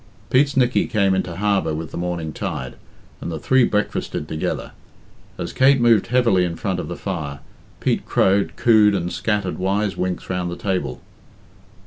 Pete's Nickey came into harbour with the morning tide, and the three breakfasted together. As Kate moved heavily in front of the fire, Pete crowed, cooed, and scattered wise winks round the table.